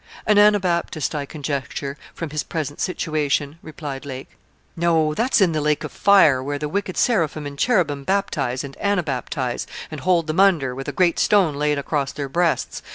'An Anabaptist, I conjecture, from his present situation,' replied Lake. 'No, that's in the lake of fire, where the wicked seraphim and cherubim baptise, and anabaptise, and hold them under, with a great stone laid across their breasts.